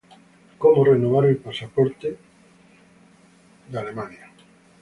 Cómo renovar el pasaporte de Estados Unidos